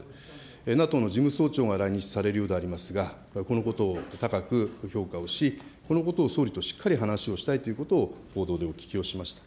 ＮＡＴＯの事務総長が来日されるようでありますが、このことを高く評価をし、このことを総理としっかり話をしたいということを報道でお聞きをしました。